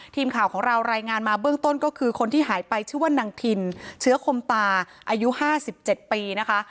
ทีมข่าวของเรารายงานมาเบื้องต้นก็คือคนที่หายไปชื่อว่านางทินเชื้อคมตาอายุ๕๗ปีนะคะ